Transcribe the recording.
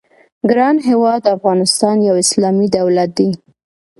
ګران هېواد افغانستان یو اسلامي دولت دی.